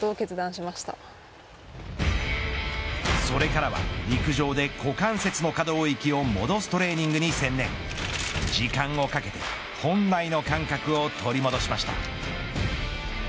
それからは陸上で股関節の可動域を戻すトレーニングに専念時間をかけて本来の感覚を取り戻しました。